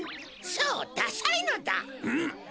そうダサいのだ！